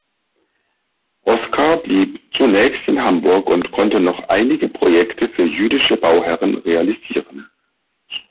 Oskar blieb zunächst in Hamburg und konnte noch einige Projekte für jüdische Bauherren realisieren.